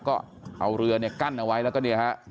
ก็เอาเรือเนี่ยกั้นเอาไว้แล้วก็เนี่ยฮะ